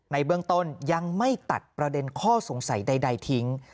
ในเบื้องต้นยังไม่ตัดประเด็นข้อสงสัยใดทิ้ง